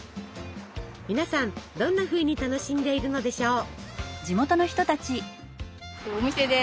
皆さんどんなふうに楽しんでいるのでしょう？